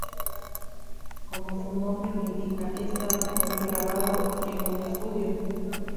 Como su nombre lo indica, este álbum fue grabado en un estudio.